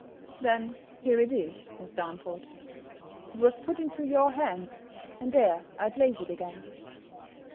"Then here it is, Miss Darnford: it was put into your hands, and there I place it again."